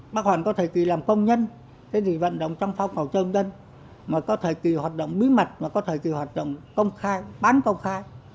bác hoàn có thời kỳ làm công nhân thế thì vận động trong phong trào công dân mà có thời kỳ hoạt động bí mật mà có thời kỳ hoạt động công khai bán công khai